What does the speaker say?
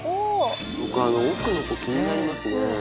僕あの奥の子気になりますね